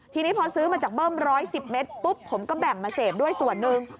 ทีนี้พอซื้อมาจากเบิ้ม๑๑๐เมตรปุ๊บผมก็แบ่งมาเสพด้วยส่วนหนึ่ง